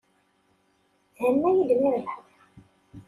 Thenna-iyi-d mi rebḥeɣ.